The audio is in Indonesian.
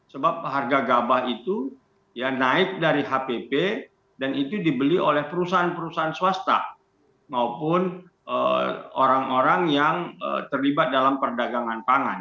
sebab harga gabah itu naik dari hpp dan itu dibeli oleh perusahaan perusahaan swasta maupun orang orang yang terlibat dalam perdagangan pangan